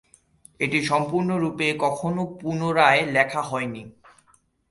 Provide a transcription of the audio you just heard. এটি সম্পূর্ণ রূপে কখনও পুনরায় লেখা হয়নি।